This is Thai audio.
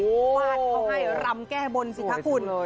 ก็ให้รำแก้บนสิทธิ์ของคุณ